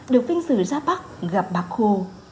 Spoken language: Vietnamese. được vinh dự ra bắc gặp bác hồ